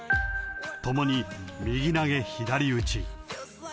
［共に右投げ左打ち］